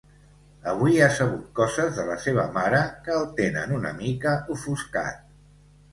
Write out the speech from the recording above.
Avui ha sabut coses de la seva mare que el tenen una mica ofuscat.